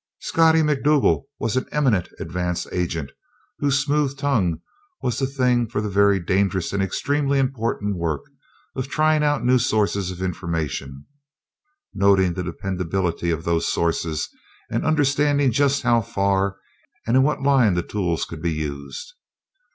Scottie Macdougal was an eminent advance agent, whose smooth tongue was the thing for the very dangerous and extremely important work of trying out new sources of information, noting the dependability of those sources, and understanding just how far and in what line the tools could be used.